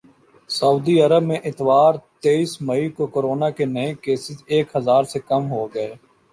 سعودی عرب میں اتوار تیس مئی کو کورونا کے نئے کیسز ایک ہزار سے کم ہوگئے